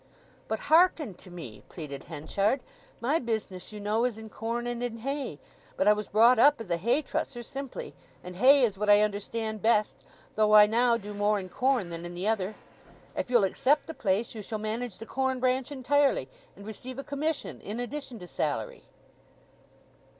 "But hearken to me," pleaded Henchard. "My business you know, is in corn and in hay, but I was brought up as a hay trusser simply, and hay is what I understand best though I now do more in corn than in the other. If you'll accept the place, you shall manage the corn branch entirely, and receive a commission in addition to salary."